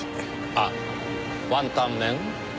あっワンタン麺？